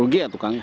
rugi ya tukangnya